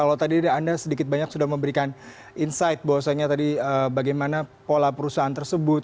kalau tadi anda sedikit banyak sudah memberikan insight bahwasannya tadi bagaimana pola perusahaan tersebut